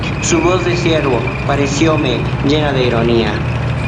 su voz de siervo parecióme llena de ironía: